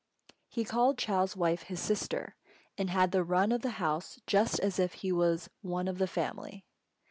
He called Chou's wife his "sister," and had the run of the house just as if he was one of the family.